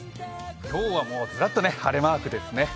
今日はずらっと晴れマークですね。